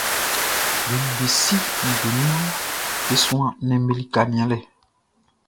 Be nin be si nin be nin be suan nnɛnʼm be lika nianlɛ.